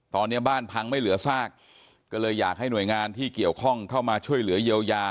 ตอนนี้บ้านพังไม่เหลือซากก็เลยอยากให้หน่วยงานที่เกี่ยวข้องเข้ามาช่วยเหลือเยียวยา